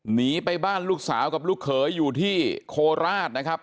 หนีไปบ้านลูกสาวกับลูกเขยอยู่ที่โคราชนะครับ